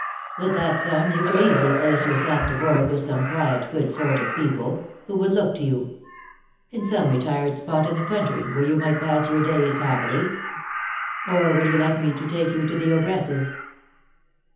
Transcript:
With that sum you could easily place yourself to board with some quiet, good sort of people, who would look to you, in some retired spot in the country, where you might pass your days happily. Or would you like me to take you to the ogress's?"